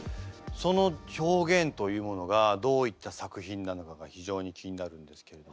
その表現というものがどういった作品なのかが非常に気になるんですけども。